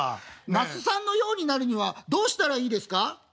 「なすさんのようになるにはどうしたらいいですか？」。